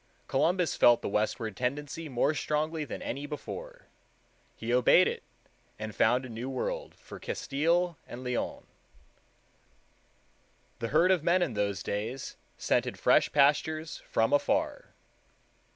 Columbus felt the westward tendency more strongly than any before. He obeyed it, and found a New World for Castile and Leon. The herd of men in those days scented fresh pastures from afar.